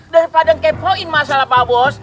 daripada kempoin masalah pak bos